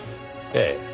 ええ。